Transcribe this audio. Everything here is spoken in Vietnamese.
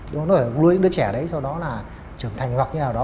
nó phải nuôi những đứa trẻ đấy sau đó là trưởng thành hoặc như nào đó